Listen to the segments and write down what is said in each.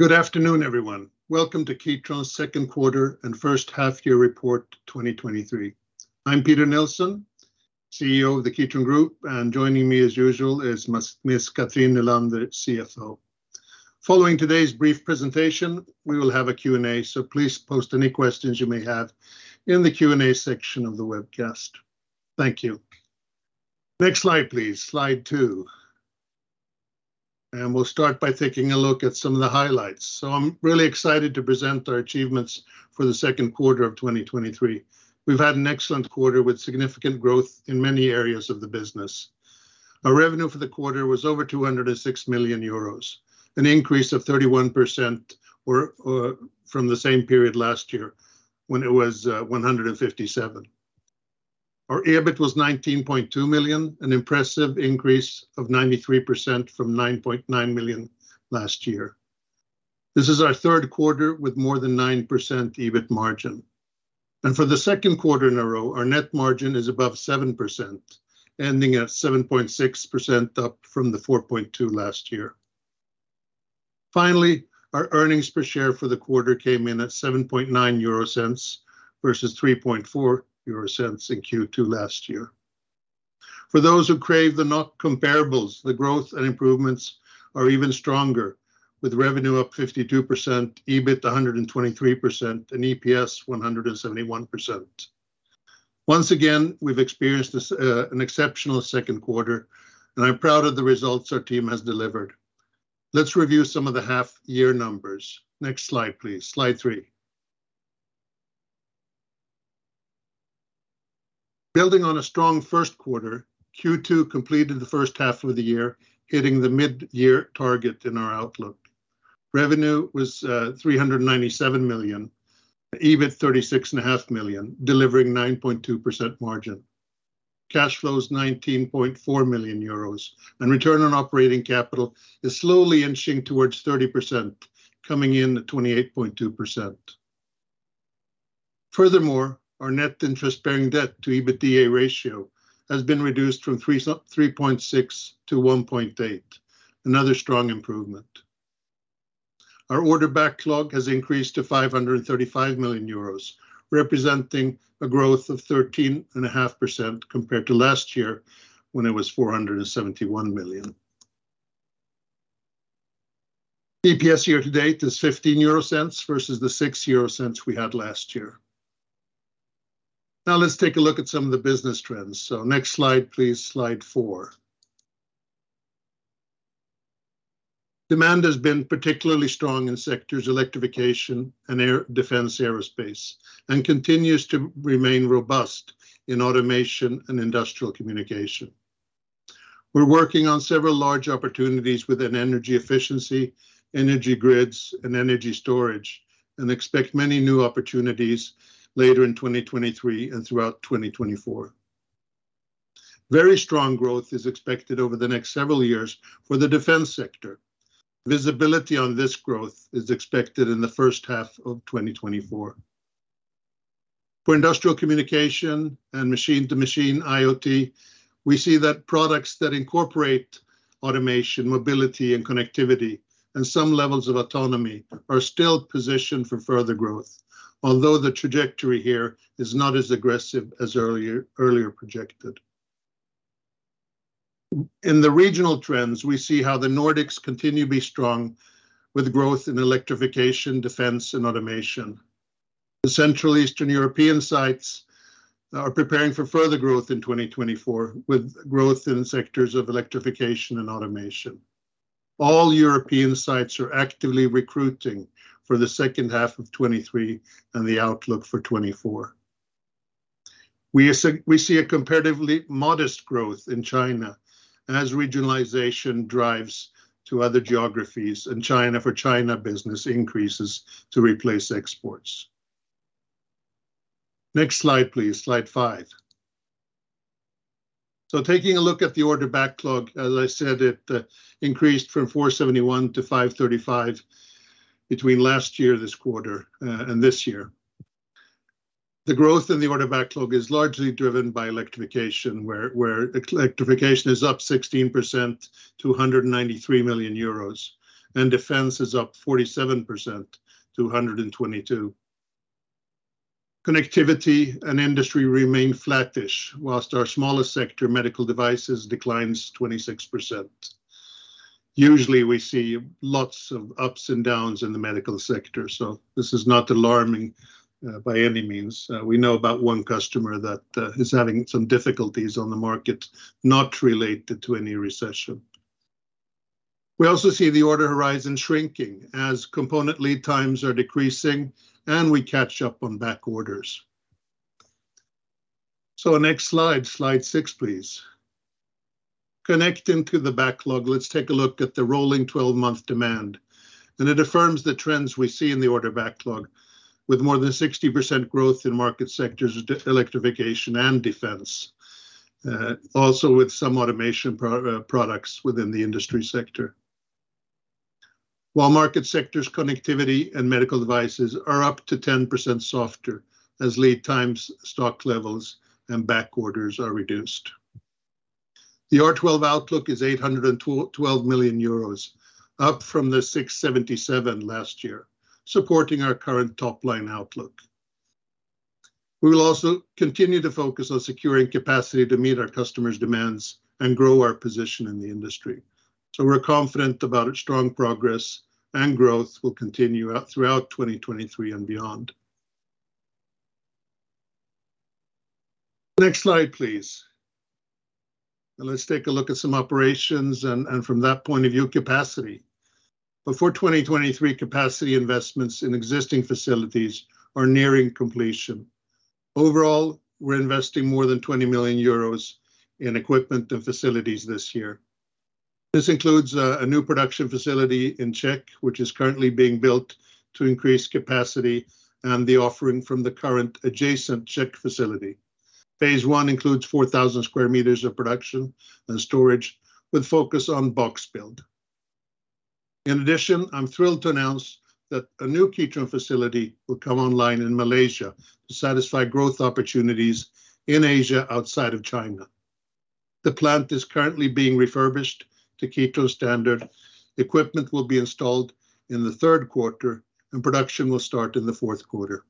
Good afternoon, everyone. Welcome to Kitron's Second Quarter and First Half Year Report 2023. I'm Peter Nilsson, CEO of the Kitron Group. Joining me, as usual, is Ms. Cathrin Nylander, CFO. Following today's brief presentation, we will have a Q&A. Please post any questions you may have in the Q&A section of the webcast. Thank you. Next slide, please. Slide two. We'll start by taking a look at some of the highlights. I'm really excited to present our achievements for the second quarter of 2023. We've had an excellent quarter, with significant growth in many areas of the business. Our revenue for the quarter was over 206 million euros, an increase of 31% from the same period last year, when it was 157. Our EBIT was 19.2 million, an impressive increase of 93% from 9.9 million last year. This is our third quarter with more than 9% EBIT margin. For the second quarter in a row, our net margin is above 7%, ending at 7.6%, up from the 4.2% last year. Finally, our EPS for the quarter came in at 0.079 versus 0.034 in Q2 last year. For those who crave the not comparables, the growth and improvements are even stronger, with revenue up 52%, EBIT 123%, and EPS 171%. Once again, we've experienced this, an exceptional second quarter, and I'm proud of the results our team has delivered. Let's review some of the half year numbers. Next slide, please. Slide three. Building on a strong first quarter, Q2 completed the first half of the year, hitting the mid-year target in our outlook. Revenue was 397 million, EBIT 36.5 million, delivering 9.2% margin. Cash flow is 19.4 million euros, return on operating capital is slowly inching towards 30%, coming in at 28.2%. Furthermore, our net interest bearing debt to EBITDA ratio has been reduced from 3.6 to 1.8, another strong improvement. Our order backlog has increased to 535 million euros, representing a growth of 13.5% compared to last year, when it was 471 million. EPS year to date is 0.15 versus the 0.06 we had last year. Let's take a look at some of the business trends. Next slide, please, slide four. Demand has been particularly strong in sectors, Electrification and Air, Defense, Aerospace, and continues to remain robust in Automation and Industrial Communication. We're working on several large opportunities within energy efficiency, energy grids, and energy storage, and expect many new opportunities later in 2023 and throughout 2024. Very strong growth is expected over the next several years for the Defense sector. Visibility on this growth is expected in the first half of 2024. For Industrial Communication and machine-to-machine IoT, we see that products that incorporate Automation, mobility, and Connectivity, and some levels of autonomy are still positioned for further growth, although the trajectory here is not as aggressive as earlier projected. In the regional trends, we see how the Nordics continue to be strong, with growth in Electrification, Defense, and Automation. The Central Eastern European sites are preparing for further growth in 2024, with growth in sectors of Electrification and Automation. All European sites are actively recruiting for the second half of 2023 and the outlook for 2024. We see a comparatively modest growth in China as regionalization drives to other geographies, China for China business increases to replace exports. Next slide, please, slide five. Taking a look at the order backlog, as I said, it increased from 471 to 535 between last year, this quarter and this year. The growth in the order backlog is largely driven by Electrification, where Electrification is up 16% to 193 million euros, and Defense is up 47% to 122 million. Connectivity and Industry remain flattish, whilst our smallest sector, Medical Devices, declines 26%. Usually, we see lots of ups and downs in the medical sector, so this is not alarming by any means. We know about one customer that is having some difficulties on the market, not related to any recession. We also see the order horizon shrinking, as component lead times are decreasing, and we catch up on back orders. Next slide six, please. Connecting to the backlog, let's take a look at the rolling 12-month demand. It affirms the trends we see in the order backlog, with more than 60% growth in market sectors, Electrification and Defense, also with some Automation products within the Industry sector. While market sectors, Connectivity and Medical Devices, are up to 10% softer as lead times, stock levels, and back orders are reduced. The R12 outlook is 812 million euros, up from the 677 million last year, supporting our current top-line outlook. We will also continue to focus on securing capacity to meet our customers' demands and grow our position in the industry. We're confident about its strong progress, and growth will continue throughout 2023 and beyond. Next slide, please. Let's take a look at some operations and from that point of view, capacity. Before 2023, capacity investments in existing facilities are nearing completion. Overall, we're investing more than 20 million euros in equipment and facilities this year. This includes a new production facility in Czech, which is currently being built to increase capacity and the offering from the current adjacent Czech facility. Phase one includes 4,000 square meters of production and storage, with focus on box-build. In addition, I'm thrilled to announce that a new Kitron facility will come online in Malaysia to satisfy growth opportunities in Asia outside of China. The plant is currently being refurbished to Kitron standard. Equipment will be installed in the third quarter, and production will start in the fourth quarter.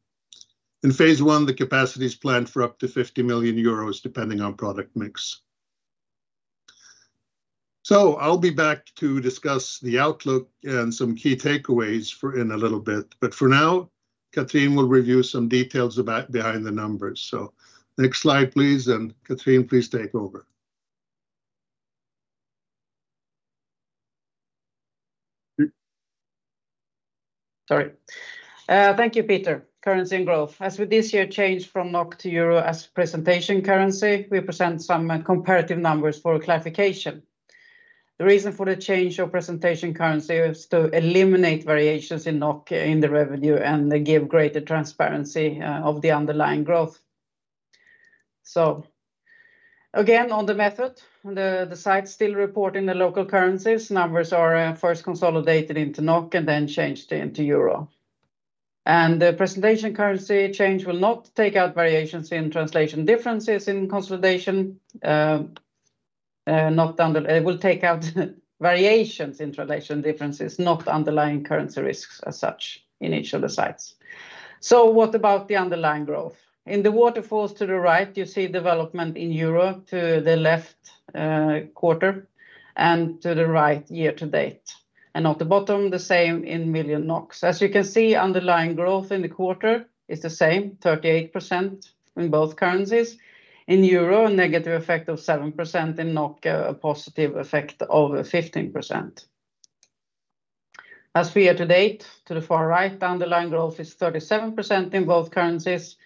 In phase one, the capacity is planned for up to 50 million euros, depending on product mix. I'll be back to discuss the outlook and some key takeaways in a little bit, for now, Cathrin will review some details about behind the numbers. Next slide, please, Cathrin, please take over. Sorry. Thank you, Peter. Currency and growth. As with this year, change from NOK to EUR as presentation currency, we present some comparative numbers for clarification. The reason for the change of presentation currency is to eliminate variations in NOK in the revenue and give greater transparency of the underlying growth. Again, on the method, the site still report in the local currencies. Numbers are first consolidated into NOK and then changed into EUR. The presentation currency change will not take out variations in translation, differences in consolidation. It will take out variations in translation differences, not underlying currency risks as such in each of the sites. What about the underlying growth? In the waterfalls to the right, you see development in EUR, to the left, quarter, and to the right, year to date, and at the bottom, the same in million NOK. As you can see, underlying growth in the quarter is the same, 38% in both currencies. In EUR, a negative effect of 7%. In NOK, a positive effect of 15%. As for year to date, to the far right, underlying growth is 37% in both currencies,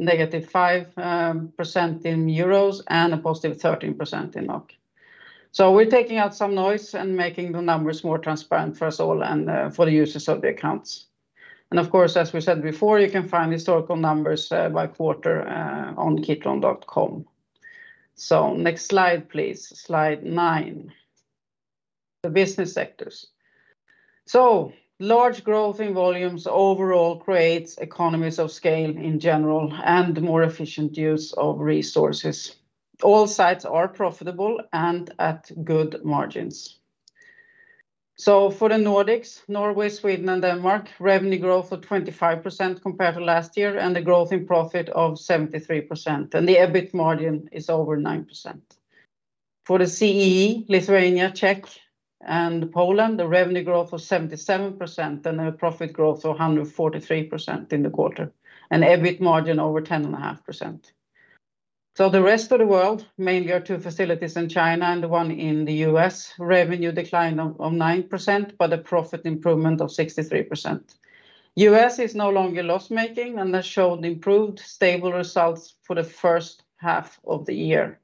-5% in EUR, and a positive 13% in NOK. We're taking out some noise and making the numbers more transparent for us all and for the users of the accounts. Of course, as we said before, you can find historical numbers by quarter on kitron.com. Next slide, please. Slide nine, the business sectors. Large growth in volumes overall creates economies of scale in general and more efficient use of resources. All sites are profitable and at good margins. For the Nordics, Norway, Sweden, and Denmark, revenue growth of 25% compared to last year, and the growth in profit of 73%, and the EBIT margin is over 9%. For the CEE, Lithuania, Czech, and Poland, the revenue growth was 77%, and the profit growth 143% in the quarter, and EBIT margin over 10.5%. The rest of the world, mainly our two facilities in China and the one in the U.S., revenue decline of 9%, but a profit improvement of 63%. U.S. is no longer loss-making and has shown improved, stable results for the first half of the year.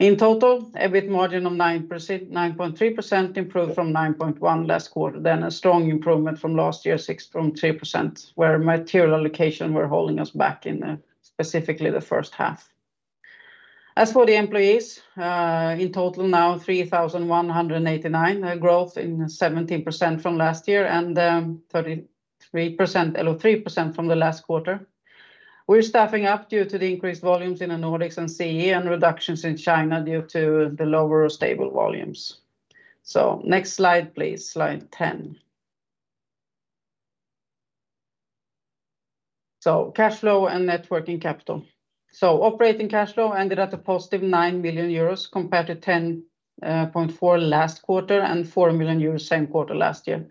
In total, EBIT margin of 9%, 9.3%, improved from 9.1% last quarter, then a strong improvement from last year, 6.3%, where material allocation were holding us back in specifically the first half. As for the employees, in total now, 3,189, a growth in 17% from last year and 33%, or 3% from the last quarter. We're staffing up due to the increased volumes in the Nordics and CEE and reductions in China due to the lower stable volumes. Next slide, please, slide 10. Cash flow and net working capital. Operating cash flow ended at a positive 9 million euros, compared to 10.4 million last quarter and 4 million euros same quarter last year.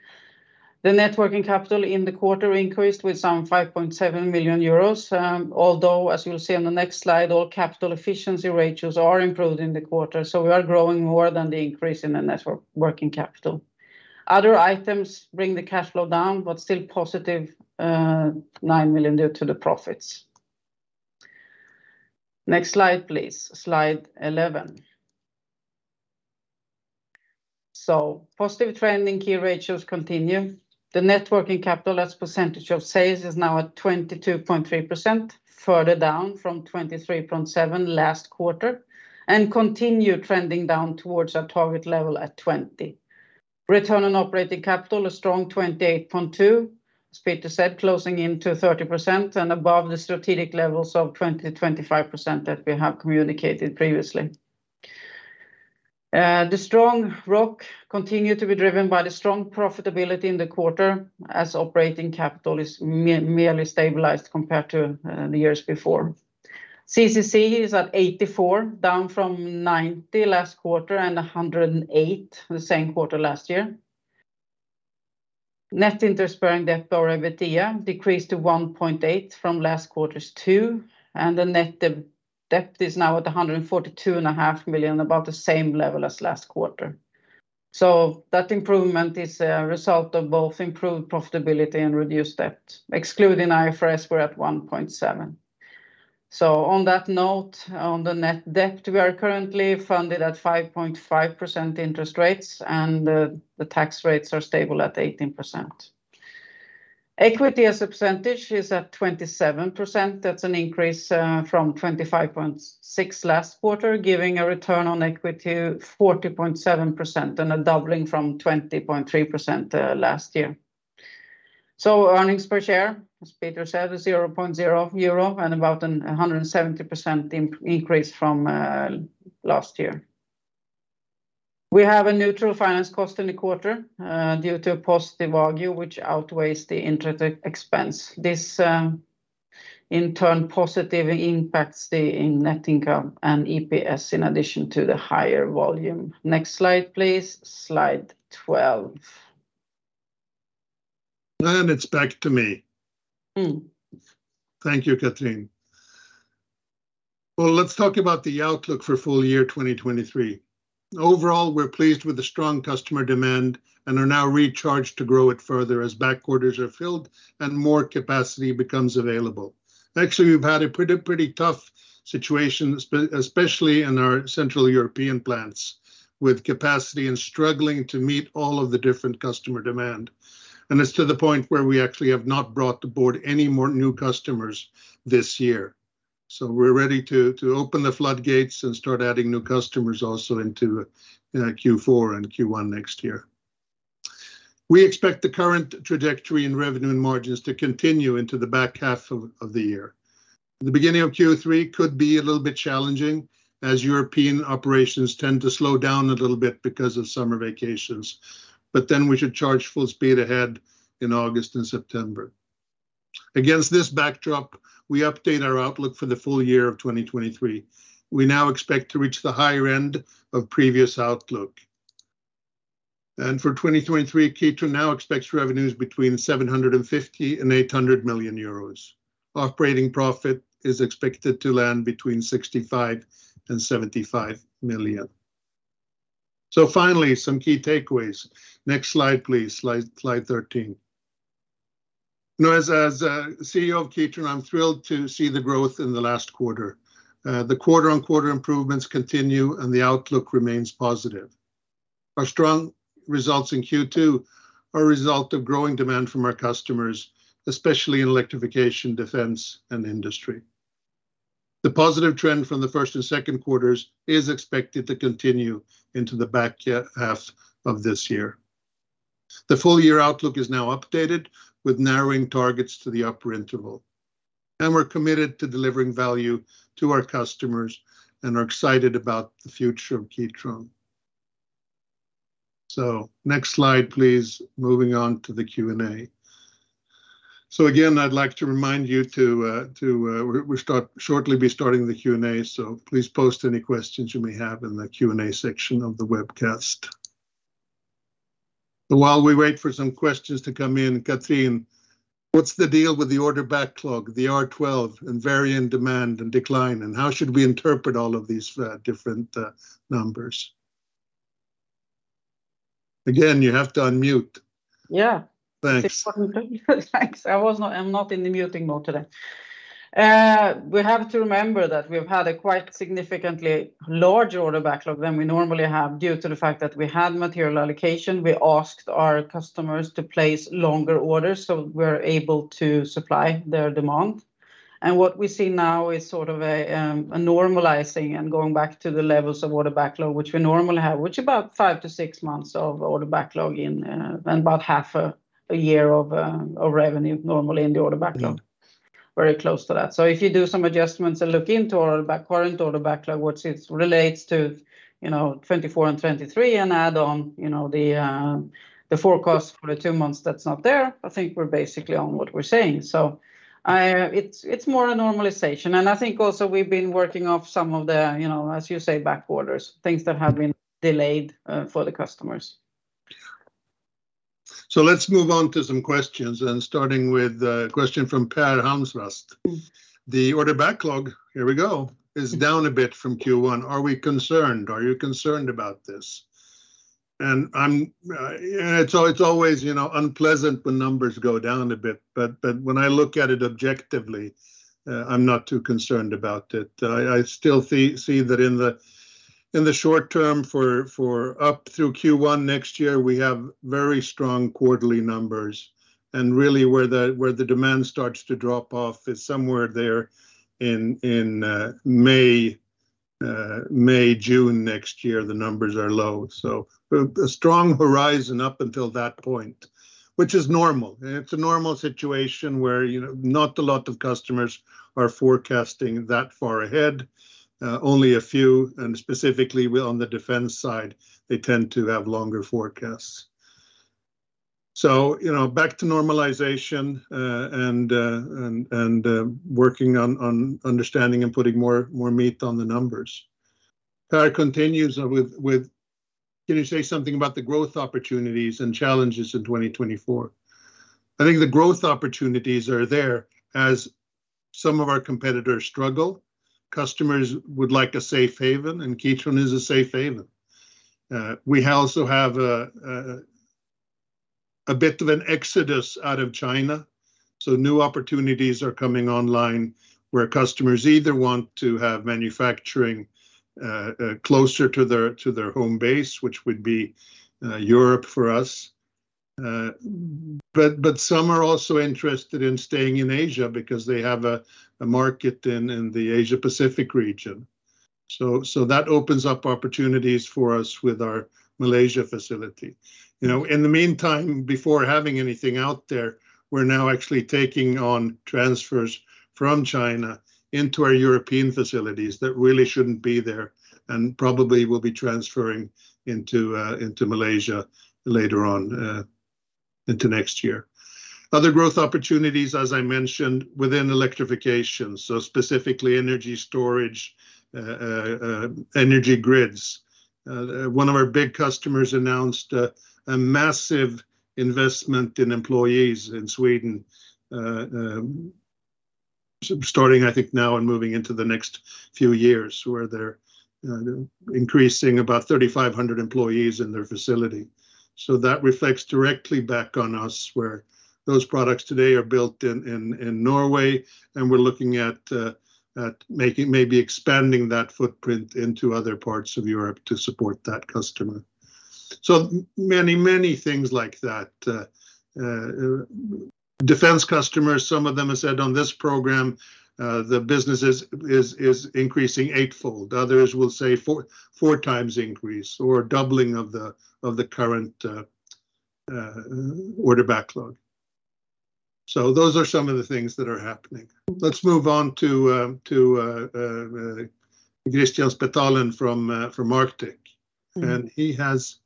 The net working capital in the quarter increased with some 5.7 million euros, although, as you'll see on the next slide, all capital efficiency ratios are improved in the quarter, so we are growing more than the increase in the net working capital. Other items bring the cash flow down, but still positive, 9 million due to the profits. Next slide, please. Slide 11. Positive trend in key ratios continue. The net working capital as percentage of sales is now at 22.3%, further down from 23.7% last quarter, and continue trending down towards our target level at 20%. return on operating capital, a strong 28.2%. As Peter said, closing into 30% and above the strategic levels of 20%-25% that we have communicated previously. The strong ROC continued to be driven by the strong profitability in the quarter, as operating capital is merely stabilized compared to the years before. CCC is at 84, down from 90 last quarter, and 108 the same quarter last year. Net interest-bearing debt or EBITDA decreased to 1.8 from last quarter's 2, and the net debt is now at 142.5 million, about the same level as last quarter. That improvement is a result of both improved profitability and reduced debt. Excluding IFRS, we're at 1.7. On that note, on the net debt, we are currently funded at 5.5% interest rates, and the tax rates are stable at 18%. Equity as a percentage is at 27%. That's an increase from 25.6 last quarter, giving a return on equity 40.7% and a doubling from 20.3% last year. Earnings per share, as Peter said, is 0.0 euro and about a 170% increase from last year. We have a neutral finance cost in the quarter due to a positive value, which outweighs the interest expense. This, in turn, positive impacts the net income and EPS in addition to the higher volume. Next slide, please. Slide 12. It's back to me. Thank you, Cathrin. Well, let's talk about the outlook for full year 2023. Overall, we're pleased with the strong customer demand and are now recharged to grow it further as back orders are filled and more capacity becomes available. Actually, we've had a pretty tough situation, especially in our Central European plants, with capacity and struggling to meet all of the different customer demand. It's to the point where we actually have not brought to board any more new customers this year. We're ready to open the floodgates and start adding new customers also into Q4 and Q1 next year. We expect the current trajectory in revenue and margins to continue into the back half of the year. The beginning of Q3 could be a little bit challenging, as European operations tend to slow down a little bit because of summer vacations, but then we should charge full speed ahead in August and September. Against this backdrop, we update our outlook for the full year of 2023. For 2023, Kitron now expects revenues between 750 million and 800 million euros. Operating profit is expected to land between 65 million and 75 million. Finally, some key takeaways. Next slide, please. Slide 13. You know, as CEO of Kitron, I'm thrilled to see the growth in the last quarter. The quarter-on-quarter improvements continue, and the outlook remains positive. Our strong results in Q2 are a result of growing demand from our customers, especially in Electrification, Defense, and Industry. The positive trend from the first and second quarters is expected to continue into the back half of this year. The full-year outlook is now updated, with narrowing targets to the upper interval. We're committed to delivering value to our customers and are excited about the future of Kitron. Next slide, please, moving on to the Q&A. Again, I'd like to remind you, we're shortly be starting the Q&A, so please post any questions you may have in the Q&A section of the webcast. While we wait for some questions to come in, Cathrin, what's the deal with the order backlog, the R12, and varying demand and decline, and how should we interpret all of these different numbers? Again, you have to unmute. Yeah. Thanks. Thanks. I was not, I'm not in the muting mode today. We have to remember that we've had a quite significantly larger order backlog than we normally have due to the fact that we had material allocation. We asked our customers to place longer orders, so we're able to supply their demand. What we see now is sort of a normalizing and going back to the levels of order backlog, which we normally have, which about five to six months of order backlog in and about half a year of revenue, normally in the order backlog. Very close to that. If you do some adjustments and look into our back, current order backlog, which it relates to, you know, 2024 and 2023, and add on, you know, the forecast for the two months that's not there, I think we're basically on what we're saying. It's more a normalization, and I think also we've been working off some of the, you know, as you say, back orders, things that have been delayed for the customers. Let's move on to some questions, and starting with a question from Per Hamsrast. The order backlog is down a bit from Q1. Are we concerned? Are you concerned about this? It's always, you know, unpleasant when numbers go down a bit, but when I look at it objectively, I'm not too concerned about it. I still see that in the short term for up through Q1 next year, we have very strong quarterly numbers, and really where the demand starts to drop off is somewhere there in May, June next year, the numbers are low. A strong horizon up until that point, which is normal. It's a normal situation where, you know, not a lot of customers are forecasting that far ahead. Only a few, specifically with, on the Defense side, they tend to have longer forecasts. You know, back to normalization, and working on understanding and putting more meat on the numbers. Per continues with: "Can you say something about the growth opportunities and challenges in 2024?" I think the growth opportunities are there. As some of our competitors struggle, customers would like a safe haven, and Kitron is a safe haven. We also have a bit of an exodus out of China, so new opportunities are coming online where customers either want to have manufacturing closer to their home base, which would be Europe for us. Some are also interested in staying in Asia because they have a market in the Asia Pacific region. That opens up opportunities for us with our Malaysia facility. You know, in the meantime, before having anything out there, we're now actually taking on transfers from China into our European facilities that really shouldn't be there, and probably will be transferring into Malaysia later on into next year. Other growth opportunities, as I mentioned, within Electrification, so specifically energy storage, energy grids. One of our big customers announced a massive investment in employees in Sweden, starting, I think now, and moving into the next few years, where they're increasing about 3,500 employees in their facility. That reflects directly back on us, where those products today are built in Norway, and we're looking at maybe expanding that footprint into other parts of Europe to support that customer. Many, many things like that. Defense customers, some of them have said on this program, the business is increasing eightfold. Others will say 4 times increase or doubling of the current order backlog. Those are some of the things that are happening. Let's move on to Kristian Spetalen from Arctic. He has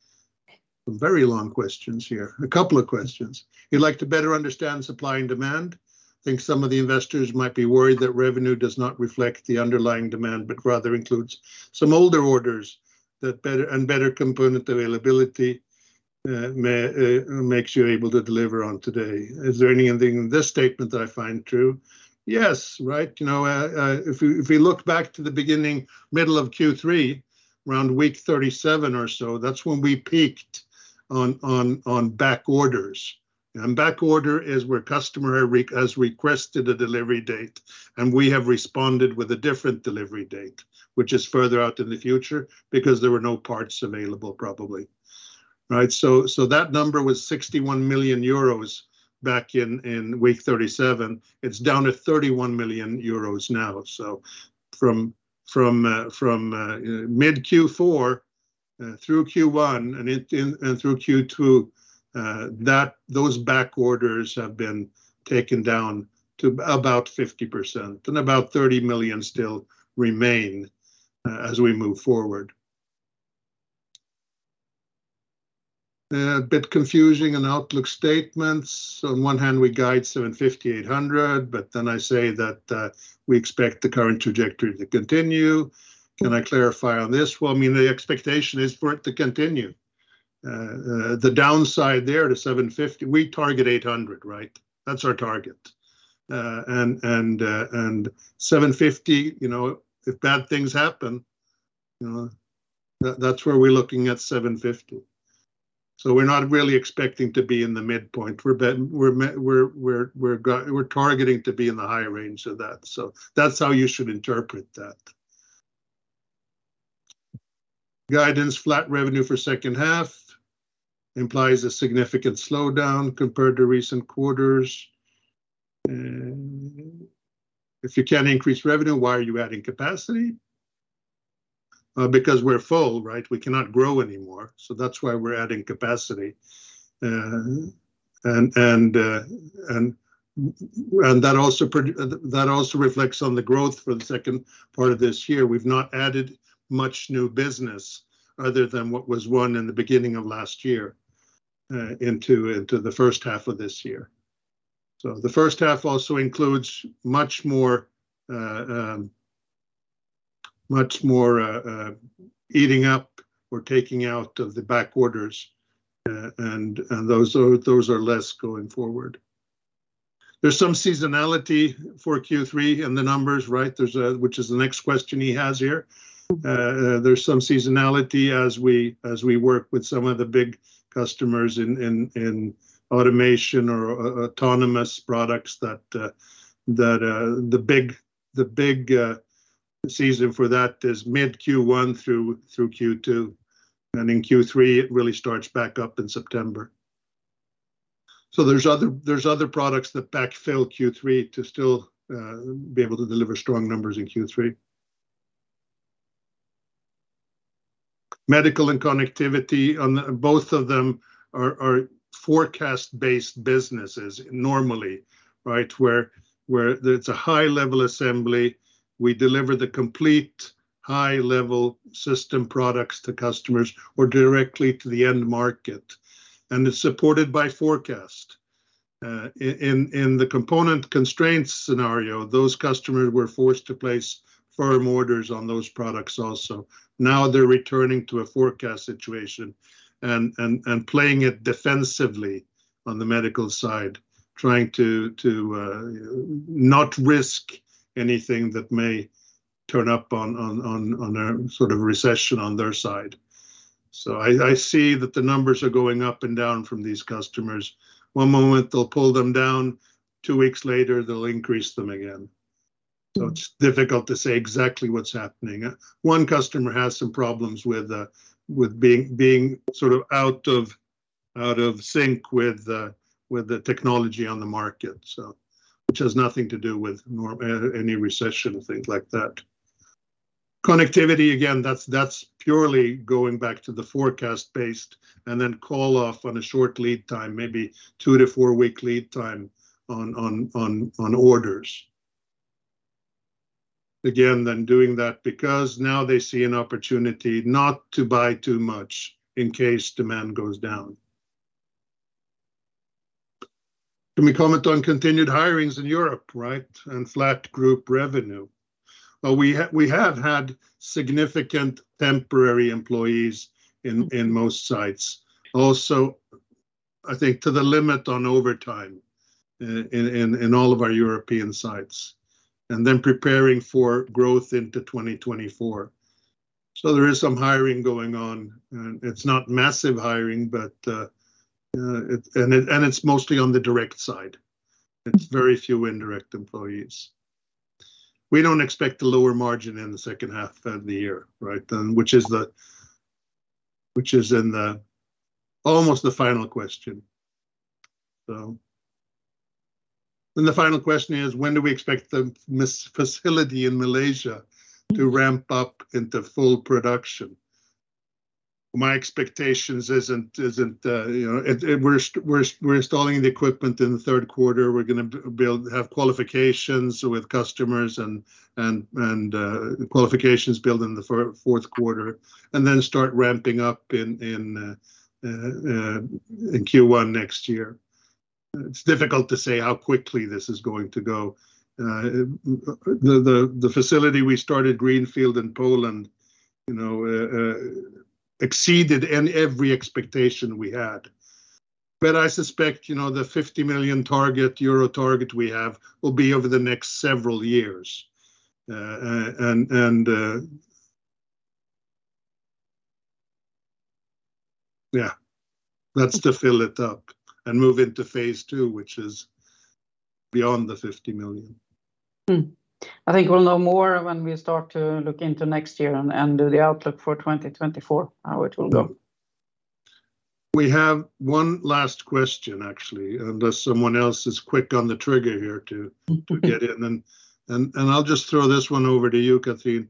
very long questions here. A couple of questions. He'd like to better understand supply and demand. I think some of the investors might be worried that revenue does not reflect the underlying demand, but rather includes some older orders, that better. Better component availability may makes you able to deliver on today. Is there anything in this statement that I find true? Yes, right. You know, if we look back to the beginning, middle of Q3, around week 37 or so, that's when we peaked on back orders. Back order is where customer has requested a delivery date, and we have responded with a different delivery date, which is further out in the future because there were no parts available, probably. Right? That number was 61 million euros back in week 37. It's down to 31 million euros now. From mid-Q4 through Q1, and through Q2, those back orders have been taken down to about 50%, and about 30 million still remain as we move forward. A bit confusing in outlook statements. On one hand, we guide 750 million-800 million, but then I say that we expect the current trajectory to continue. Can I clarify on this? Well, I mean, the expectation is for it to continue. The downside there to 750 million. We target 800 million, right? That's our target. And 750 million, you know, if bad things happen, you know, that's where we're looking at 750 million. We're not really expecting to be in the midpoint, we're targeting to be in the higher range of that. That's how you should interpret that. Guidance, flat revenue for second half implies a significant slowdown compared to recent quarters. If you can increase revenue, why are you adding capacity? Because we're full, right? We cannot grow anymore, so that's why we're adding capacity. That also reflects on the growth for the second part of this year. We've not added much new business other than what was won in the beginning of last year, into the first half of this year. The first half also includes much more, much more eating up or taking out of the back orders, and those are less going forward. There's some seasonality for Q3 in the numbers, right? There's which is the next question he has here. There's some seasonality as we work with some of the big customers in Automation or autonomous products that the big, the big season for that is mid-Q1 through Q2, and in Q3, it really starts back up in September. There's other products that backfill Q3 to still be able to deliver strong numbers in Q3. Medical and Connectivity on both of them are forecast-based businesses normally, right? Where there's a high-level assembly, we deliver the complete high-level system products to customers or directly to the end market. It's supported by forecast. In the component constraints scenario, those customers were forced to place firm orders on those products also. Now they're returning to a forecast situation and playing it defensively on the medical side, trying to not risk anything that may turn up on a sort of recession on their side. I see that the numbers are going up and down from these customers. One moment they'll pull them down, two weeks later, they'll increase them again. It's difficult to say exactly what's happening. One customer has some problems with being sort of out of sync with the technology on the market, which has nothing to do with nor any recession or things like that. Connectivity, that's purely going back to the forecast-based, call off on a short lead time, maybe 2-4-week lead time on orders. Doing that because now they see an opportunity not to buy too much in case demand goes down. Can we comment on continued hirings in Europe, right, and flat group revenue? Well, we have had significant temporary employees in most sites. I think to the limit on overtime in all of our European sites, preparing for growth into 2024. There is some hiring going on, and it's not massive hiring, but it's mostly on the direct side. It's very few indirect employees. We don't expect a lower margin in the second half of the year, right? Which is almost the final question. The final question is, when do we expect the facility in Malaysia to ramp up into full production? My expectations isn't, you know, We're installing the equipment in the third quarter. We're gonna build, have qualifications with customers and qualifications built in the fourth quarter, and then start ramping up in Q1 next year. It's difficult to say how quickly this is going to go. The facility we started, greenfield in Poland, you know, exceeded in every expectation we had. I suspect, you know, the 50 million target, EUR target we have, will be over the next several years. Yeah, that's to fill it up and move into phase two, which is beyond the 50 million. I think we'll know more when we start to look into next year and do the outlook for 2024, how it will go. We have one last question, actually, unless someone else is quick on the trigger here to get in. I'll just throw this one over to you, Cathrin.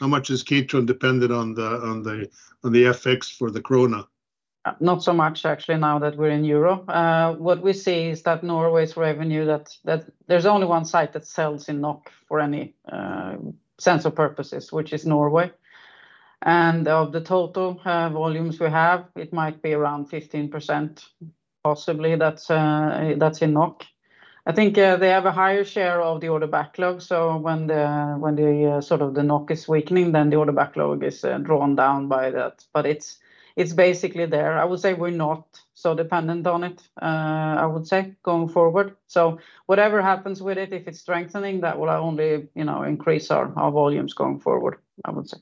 How much is Kitron dependent on the FX for the krona? Not so much, actually, now that we're in EUR. What we see is that Norway's revenue, that there's only one site that sells in NOK for any sense or purposes, which is Norway. Of the total volumes we have, it might be around 15%, possibly, that's in NOK. I think they have a higher share of the order backlog, so when the sort of the NOK is weakening, then the order backlog is drawn down by that. It's basically there. I would say we're not so dependent on it, I would say, going forward. Whatever happens with it, if it's strengthening, that will only, you know, increase our volumes going forward, I would say.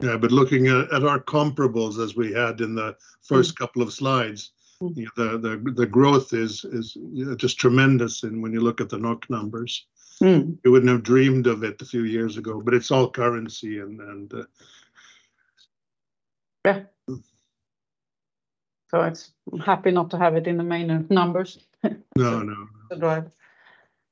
Yeah, looking at our comparables as we had in the first couple of slides. The growth is just tremendous, and when you look at the NOK numbers. You wouldn't have dreamed of it a few years ago, but it's all currency and. Yeah. I'm happy not to have it in the main numbers. No, no. Right.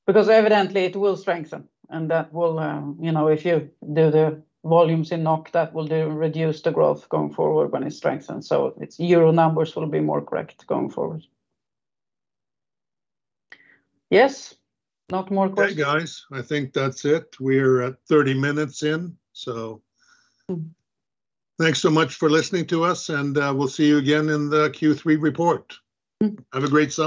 Because evidently, it will strengthen, and that will, you know, if you do the volumes in NOK, that will reduce the growth going forward when it strengthens. Its euro numbers will be more correct going forward. Yes, not more questions? Hey, guys, I think that's it. We're at 30 minutes in. Thanks so much for listening to us, and, we'll see you again in the Q3 report. Have a great summer!